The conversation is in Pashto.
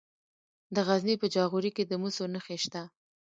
د غزني په جاغوري کې د مسو نښې شته.